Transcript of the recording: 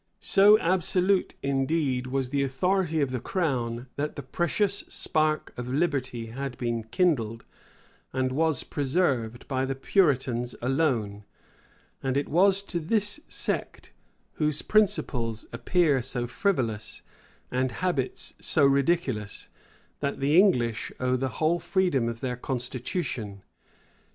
So absolute, indeed, was the authority of the crown, that the precious spark of liberty had been kindled, and was preserved, by the Puritans alone; and it was to this sect, whose principles appear so frivolous, and habits so ridiculous, that the English owe the whole freedom of their constitution.